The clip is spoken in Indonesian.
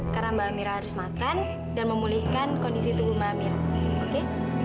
karena mbak mira harus makan dan memulihkan kondisi tubuh mbak mira oke